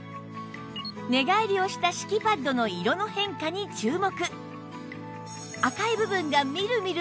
寝返りをした敷きパッドの色の変化に注目